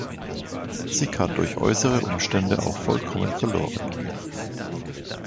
Sie kann durch äußere Umstände auch vollkommen verloren gehen.